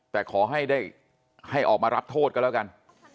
แต่ขอให้ได้ให้ออกมารับโทษก็แล้วกัน